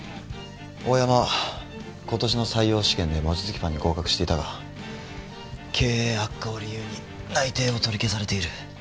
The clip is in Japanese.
大山はことしの採用試験で望月パンに合格していたが経営悪化を理由に内定を取り消されている。